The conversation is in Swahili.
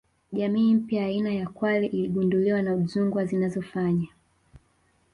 Jamii mpya ya aina ya kwale iligunduliwa wa Udzungwa zinazofanya